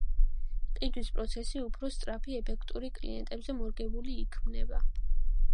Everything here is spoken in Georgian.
ყიდვის პროცესი უფრო სწრაფი, ეფექტური, კლიენტზე მორგებული იქნება.